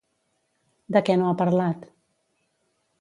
De què no ha parlat?